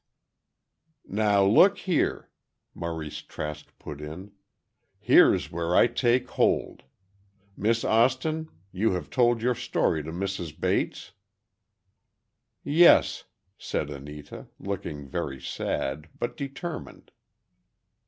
"Now, look here," Maurice Trask put in. "Here's where I take hold. Miss Austin, you have told your story to Mrs. Bates?" "Yes," said, Anita, looking very sad, but determined.